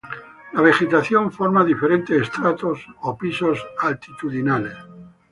La vegetación forma diferentes estratos o pisos altitudinales.